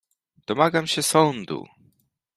Domagam się sądu!